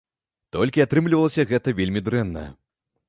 Толькі атрымлівалася гэта вельмі дрэнна.